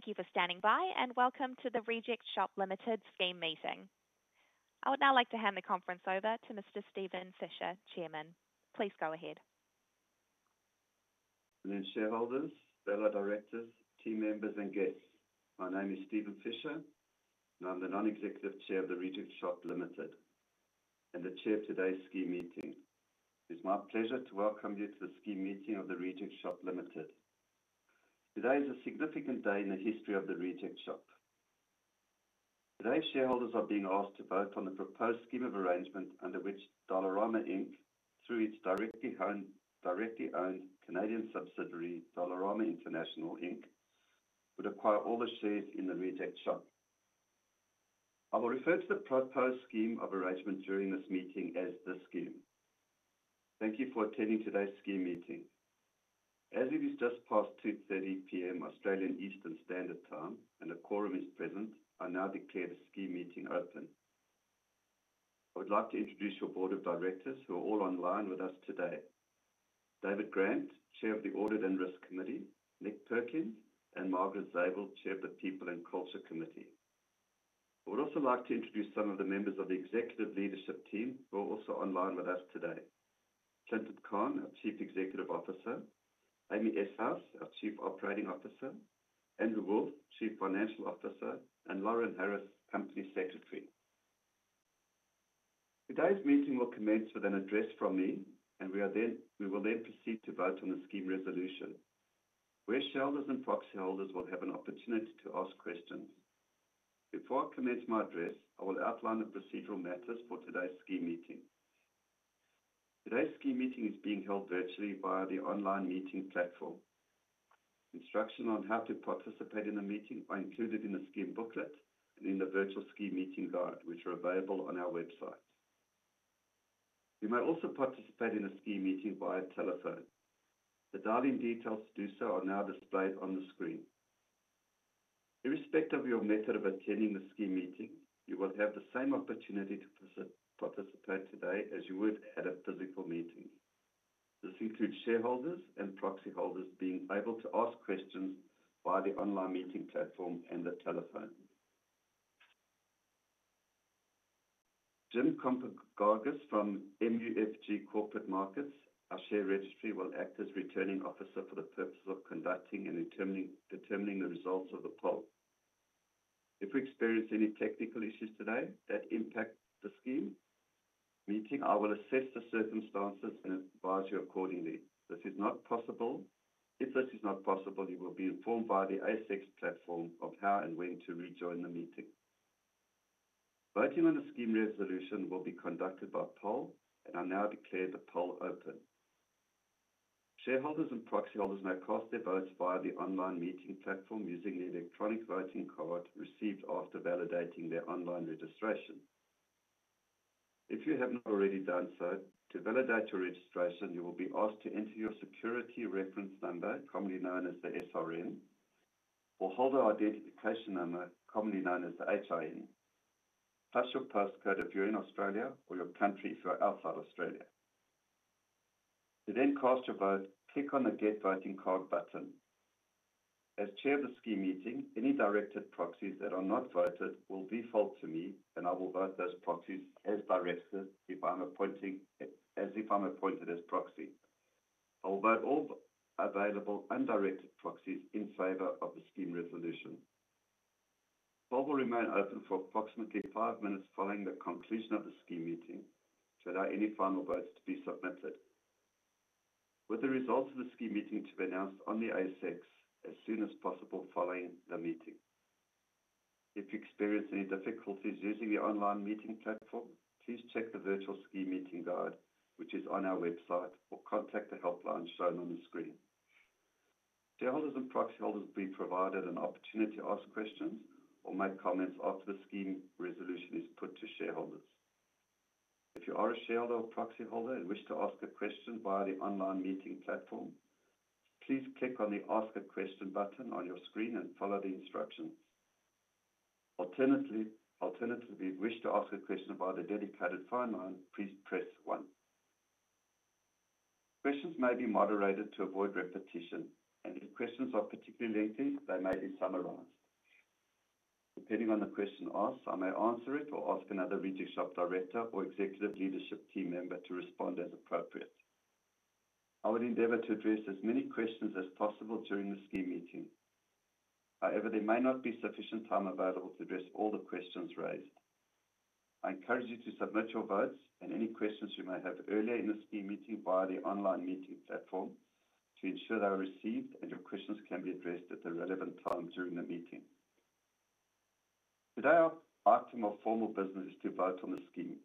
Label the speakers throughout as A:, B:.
A: Thank you for standing by, and welcome to the Reject Shop Limited scheme meeting. I would now like to hand the conference over to Mr. Steven Fisher, Chairman. Please go ahead.
B: Good afternoon, shareholders, fellow directors, team members, and guests. My name is Steven Fisher, and I'm the Non-Executive Chair of the Reject Shop Limited and the Chair of today's scheme meeting. It's my pleasure to welcome you to the scheme meeting of the Reject Shop Limited. Today is a significant day in the history of the Reject Shop. Today, shareholders are being asked to vote on the proposed scheme of arrangement under which Dollarama Inc., through its directly-owned Canadian subsidiary, Dollarama International Inc., would acquire all the shares in the Reject Shop. I will refer to the proposed scheme of arrangement during this meeting as the scheme. Thank you for attending today's scheme meeting. As it is just past 2:30 P.M. Australian Eastern Standard Time and the quorum is present, I now declare the scheme meeting open. I would like to introduce your board of directors who are all online with us today: David Grant, Chair of the Audit and Risk Committee, Nick Perkins, and Margaret Zabel, Chair of the People and Culture Committee. I would also like to introduce some of the members of the executive leadership team who are also online with us today: Clinton Cahn, our Chief Executive Officer, Amy Eshuys, our Chief Operating Officer, Andrew Wolff, Chief Financial Officer, and Lauren Harris, Company Secretary. Today's meeting will commence with an address from me, and we will then proceed to vote on the scheme resolution, where shareholders and property holders will have an opportunity to ask questions. Before I commence my address, I will outline the procedural matters for today's scheme meeting. Today's scheme meeting is being held virtually via the online meeting platform. Instructions on how to participate in the meeting are included in the scheme booklet and in the virtual scheme meeting guide, which are available on our website. You may also participate in the scheme meeting via telephone. The dialing details to do so are now displayed on the screen. Irrespective of your method of attending the scheme meeting, you will have the same opportunity to participate today as you would at a physical meeting. This includes shareholders and proxy holders being able to ask questions via the online meeting platform and the telephone. Jim Kumper-Gargas from MUFG Corporate Markets, our share registry, will act as returning officer for the purpose of conducting and determining the results of the poll. If we experience any technical issues today that impact the scheme meeting, I will assess the circumstances and advise you accordingly. If this is not possible, you will be informed via the ASX platform of how and when to rejoin the meeting. Voting on the scheme resolution will be conducted by poll, and I now declare the poll open. Shareholders and proxy holders may cast their votes via the online meeting platform using the electronic voting card received after validating their online registration. If you have not already done so, to validate your registration, you will be asked to enter your Security Reference Number, commonly known as the SRN, or Holder Identification Number, commonly known as the HIN, plus your postcode if you're in Australia or your country if you're outside Australia. To then cast your vote, click on the Get Voting Card button. As Chair of the scheme meeting, any directed proxies that are not voted will default to me, and I will vote those proxies as directed as if I'm appointed as proxy. I will vote all available undirected proxies in favor of the scheme resolution. The poll will remain open for approximately five minutes following the conclusion of the scheme meeting to allow any final votes to be submitted, with the results of the scheme meeting to be announced on the ASX as soon as possible following the meeting. If you experience any difficulties using the online meeting platform, please check the virtual scheme meeting guide, which is on our website, or contact the helpline shown on the screen. Shareholders and property holders will be provided an opportunity to ask questions or make comments after the scheme resolution is put to shareholders. If you are a shareholder or property holder and wish to ask a question via the online meeting platform, please click on the Ask a Question button on your screen and follow the instructions. Alternatively, if you wish to ask a question via the dedicated phone line, please press one. Questions may be moderated to avoid repetition, and if questions are particularly lengthy, they may be summarised. Depending on the question asked, I may answer it or ask another Reject Shop director or executive leadership team member to respond as appropriate. I will endeavour to address as many questions as possible during the scheme meeting. However, there may not be sufficient time available to address all the questions raised. I encourage you to submit your votes and any questions you may have earlier in the scheme meeting via the online meeting platform to ensure they are received and your questions can be addressed at the relevant time during the meeting. Today, our item of formal business is to vote on the scheme.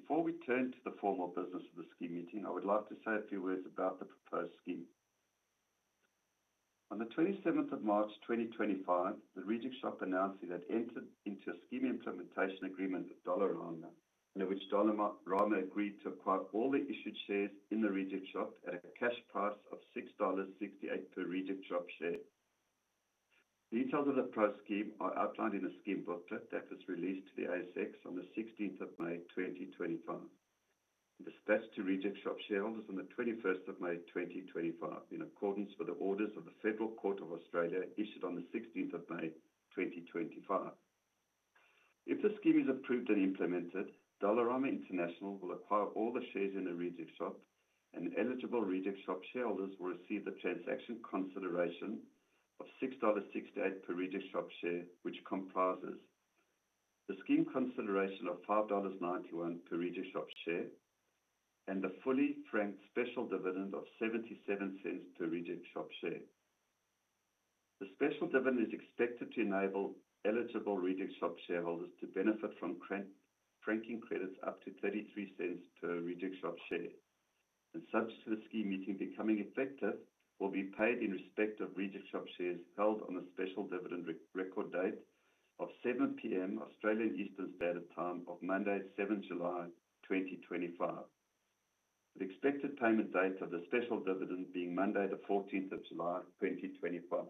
B: Before we turn to the formal business of the scheme meeting, I would like to say a few words about the proposed scheme. On the 27th of March 2025, the Reject Shop announced it had entered into a scheme implementation agreement with Dollarama, under which Dollarama agreed to acquire all the issued shares in the Reject Shop at a cash price of $6.68 per Reject Shop share. Details of the proposed scheme are outlined in the scheme booklet that was released to the ASX on the 16th of May 2025 and dispatched to Reject Shop shareholders on the 21st of May 2025, in accordance with the orders of the Federal Court of Australia issued on the 16th of May 2025. If the scheme is approved and implemented, Dollarama International will acquire all the shares in the Reject Shop, and eligible Reject Shop shareholders will receive the transaction consideration of $6.68 per Reject Shop share, which comprises the scheme consideration of $5.91 per Reject Shop share and the fully franked special dividend of $0.77 per Reject Shop share. The special dividend is expected to enable eligible Reject Shop shareholders to benefit from franking credits up to $0.33 per Reject Shop share, and subject to the scheme meeting becoming effective, will e paid in respect of Reject Shop shares held on the special dividend record date of 7:00 P.M. Australian Eastern Standard Time of Monday, 7 July 2025, with expected payment date of the special dividend being Monday, the 14th of July 2025.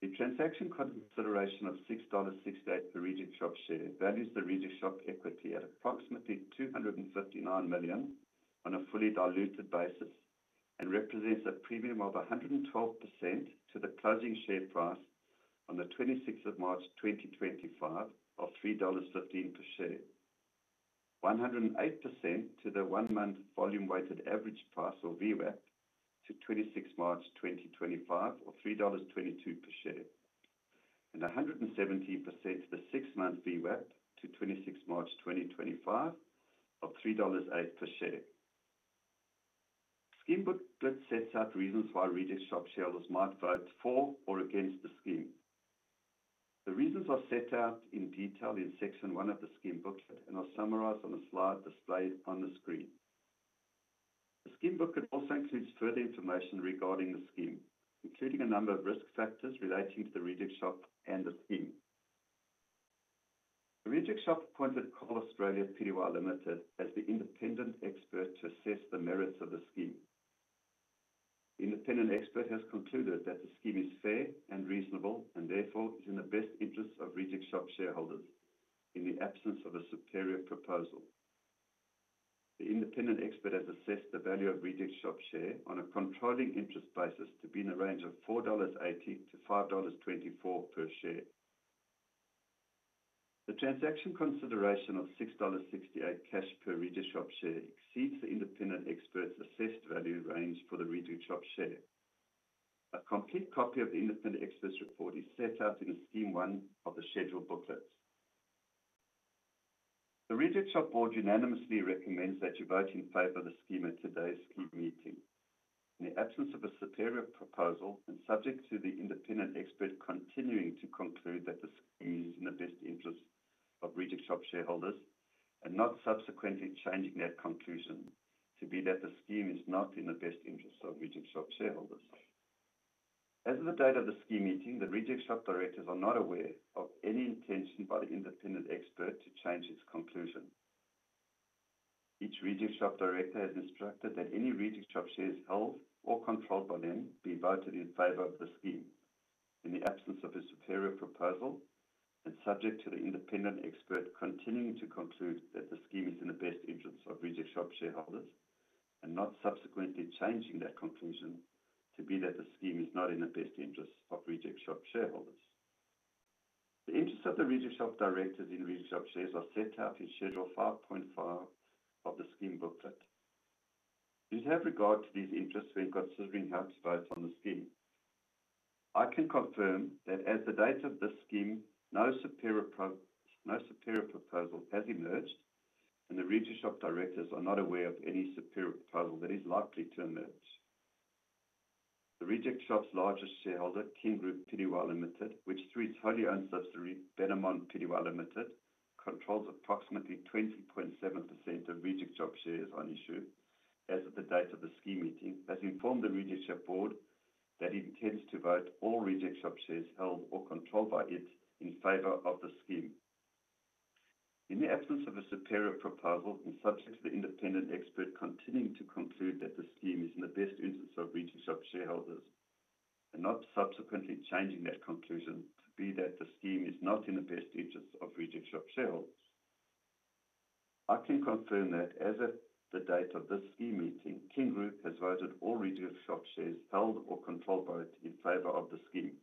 B: The transaction consideration of $6.68 per Reject Shop share values the Reject Shop equity at approximately $259 million on a fully diluted basis and represents a premium of 112% to the closing share price on the 26th of March 2025 of $3.15 per share, 108% to the one-month volume-weighted average price, or VWAP, to 26 March 2025 of $3.22 per share, and 117% to the six-month VWAP to 26 March 2025 of $3.08 per share. The scheme booklet sets out reasons why Reject Shop shareholders might vote for or against the scheme. The reasons are set out in detail in section one of the scheme booklet and are summarized on the slide displayed on the screen. The scheme booklet also includes further information regarding the scheme, including a number of risk factors relating to the Reject Shop and the scheme. The Reject Shop appointed BDO Corporate Finance (WA) Pty Limited as the independent expert to assess the merits of the scheme. The independent expert has concluded that the scheme is fair and reasonable and therefore is in the best interests of Reject Shop shareholders in the absence of a superior proposal. The independent expert has assessed the value of Reject Shop share on a controlling interest basis to be in the range of $4.80-$5.24 per share. The transaction consideration of $6.68 cash per Reject Shop share exceeds the independent expert's assessed value range for the Reject Shop share. A complete copy of the independent expert's report is set out in scheme one of the scheduled booklets. The Reject Shop board unanimously recommends that you vote in favor of the scheme at today's scheme meeting. In the absence of a superior proposal and subject to the independent expert continuing to conclude that the scheme is in the best interests of Reject Shop shareholders and not subsequently changing that conclusion, to be that the scheme is not in the best interests of Reject Shop shareholders. As of the date of the scheme meeting, the Reject Shop directors are not aware of any intention by the independent expert to change its conclusion. Each Reject Shop director has instructed that any Reject Shop shares held or controlled by them be voted in favor of the scheme in the absence of a superior proposal and subject to the independent expert continuing to conclude that the scheme is in the best interests of Reject Shop shareholders and not subsequently changing that conclusion to be that the scheme is not in the best interests of Reject Shop shareholders. The interests of the Reject Shop directors in Reject Shop shares are set out in schedule 5.5 of the scheme booklet. With regard to these interests when considering how to vote on the scheme, I can confirm that as the date of this scheme, no superior proposal has emerged, and the Reject Shop directors are not aware of any superior proposal that is likely to emerge. The Reject Shop's largest shareholder, KGL Pty Limited, which through its wholly-owned subsidiary, Benara Pty Limited, controls approximately 20.7% of Reject Shop shares on issue as of the date of the scheme meeting, has informed the Reject Shop board that it intends to vote all Reject Shop shares held or controlled by it in favor of the scheme. In the absence of a superior proposal and subject to the independent expert continuing to conclude that the scheme is in the best interests of Reject Shop shareholders and not subsequently changing that conclusion, to be that the scheme is not in the best interests of Reject Shop shareholders, I can confirm that as of the date of this scheme meeting, KGL has voted all Reject Shop shares held or controlled by it in favor of the scheme.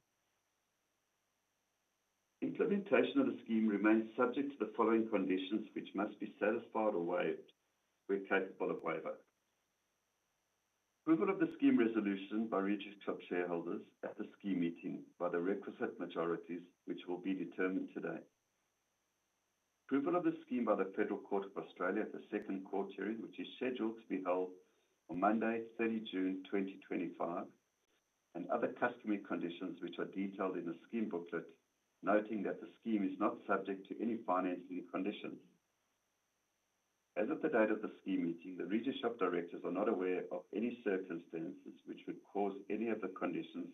B: Implementation of the scheme remains subject to the following conditions, which must be satisfied or waived where capable of waiver: approval of the scheme resolution by Reject Shop shareholders at the scheme meeting by the requisite majorities, which will be determined today. Approval of the scheme by the Federal Court of Australia at the Second Court hearing, which is scheduled to be held on Monday, 30 June 2025. Other customary conditions, which are detailed in the scheme booklet, noting that the scheme is not subject to any financing conditions. As of the date of the scheme meeting, the Reject Shop directors are not aware of any circumstances which would cause any of the conditions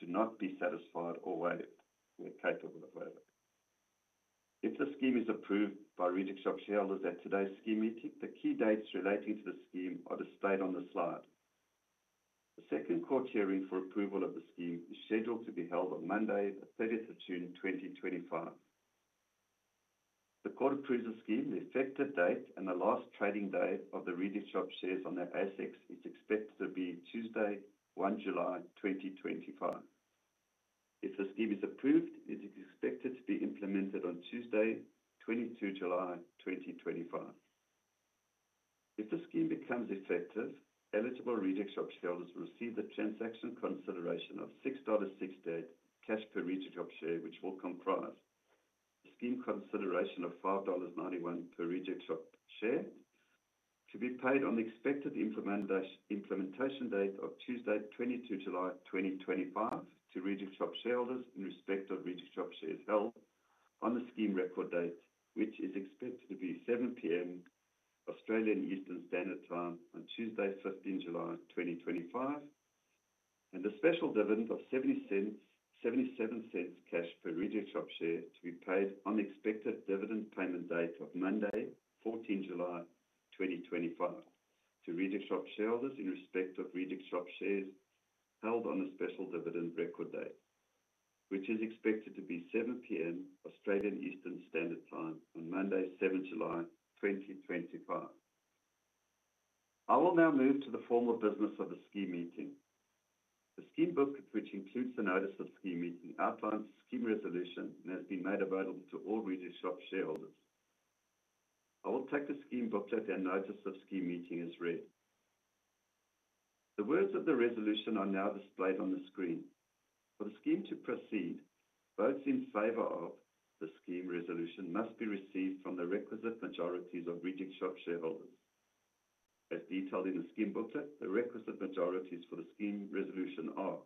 B: to not be satisfied or waived where capable of waiver. If the scheme is approved by Reject Shop shareholders at today's scheme meeting, the key dates relating to the scheme are displayed on the slide. The Second Court hearing for approval of the scheme is scheduled to be held on Monday, the 30th of June 2025. The Court approves the scheme. The effective date and the last trading day of the Reject Shop shares on the ASX is expected to be Tuesday, 1 July 2025. If the scheme is approved, it is expected to be implemented on Tuesday, 22 July 2025. If the scheme becomes effective, eligible Reject Shop shareholders will receive the transaction consideration of $6.68 cash per Reject Shop share, which will comprise the scheme consideration of $5.91 per Reject Shop share, to be paid on the expected implementation date of Tuesday, 22 July 2025, to Reject Shop shareholders in respect of Reject Shop shares held on the scheme record date, which is expected to be 7:00 P.M. Australian Eastern Standard Time on Tuesday, 15 July 2025, and the special dividend of $0.77 cash per Reject Shop share to be paid on the expected dividend payment date of Monday, 14 July 2025, to Reject Shop shareholders in respect of Reject Shop shares held on the special dividend record date, which is expected to be 7:00 P.M. Australian Eastern Standard Time on Monday, 7 July 2025. I will now move to the formal business of the scheme meeting. The scheme booklet, which includes the notice of scheme meeting, outlines the scheme resolution and has been made available to all Reject Shop shareholders. I will take the scheme booklet and notice of scheme meeting as read. The words of the resolution are now displayed on the screen. For the scheme to proceed, votes in favor of the scheme resolution must be received from the requisite majorities of Reject Shop shareholders. As detailed in the scheme booklet, the requisite majorities for the scheme resolution are: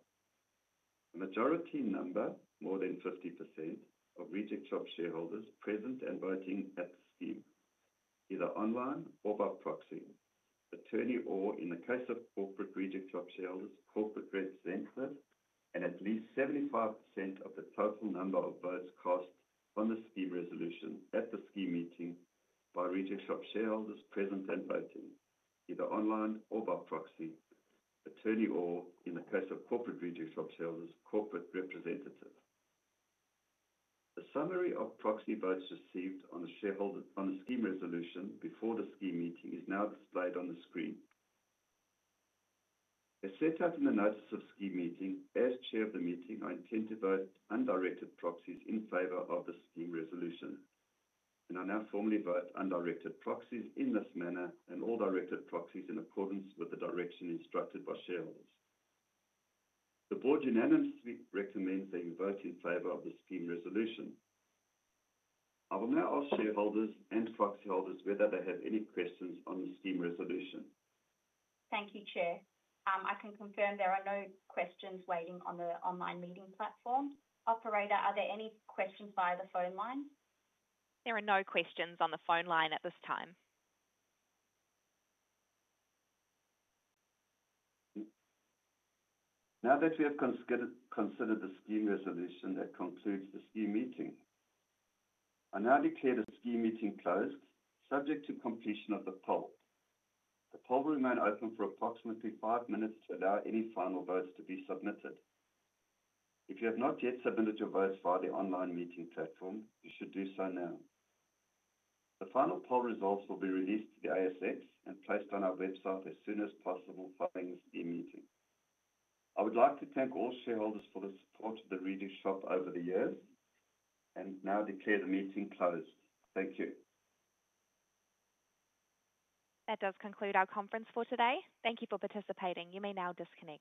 B: a majority number, more than 50%, of Reject Shop shareholders present and voting at the scheme, either online or by proxy, attorney, or, in the case of corporate Reject Shop shareholders, corporate representative, and at least 75% of the total number of votes cast on the scheme resolution at the scheme meeting by Reject Shop shareholders present and voting, either online or by proxy, attorney, or, in the case of corporate Reject Shop shareholders, corporate representative. The summary of proxy votes received on the scheme resolution before the scheme meeting is now displayed on the screen. As set out in the notice of scheme meeting, as Chair of the meeting, I intend to vote undirected proxies in favor of the scheme resolution and I now formally vote undirected proxies in this manner and all directed proxies in accordance with the direction instructed by shareholders. The Board unanimously recommends that you vote in favor of the scheme resolution. I will now ask shareholders and proxy holders whether they have any questions on the scheme resolution.
C: Thank you, Chair. I can confirm there are no questions waiting on the online meeting platform. Operator, are there any questions via the phone line?
A: There are no questions on the phone line at this time.
B: Now that we have considered the scheme resolution, that concludes the scheme meeting. I now declare the scheme meeting closed, subject to completion of the poll. The poll will remain open for approximately five minutes to allow any final votes to be submitted. If you have not yet submitted your votes via the online meeting platform, you should do so now. The final poll results will be released to the ASX and placed on our website as soon as possible following the scheme meeting. I would like to thank all shareholders for the support of the Reject Shop over the years and now declare the meeting closed. Thank you.
A: That does conclude our conference for today. Thank you for participating. You may now disconnect.